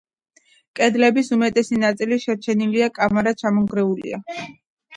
კედლების უმეტესი ნაწილი შერჩენილია, კამარა ჩამონგრეულია.